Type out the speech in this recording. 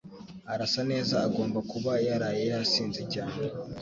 Arasa neza Agomba kuba yaraye yasinze cyane